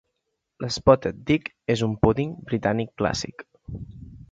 L'spotted dick és un púding britànic clàssic.